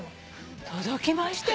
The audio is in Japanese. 届きましたよ。